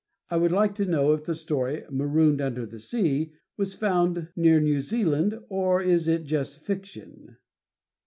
I would like to know if the story, "Marooned Under the Sea," was found near New Zealand or is it just fiction?